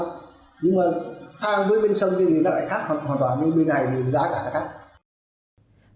nhưng mà sang với bên sân thì nó lại khác hoàn toàn bên này thì giá cả nó khác